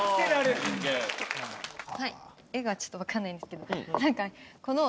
絵がちょっとわかんないんですけど何か。